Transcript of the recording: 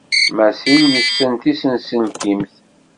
Masil yessen tisenselkimt.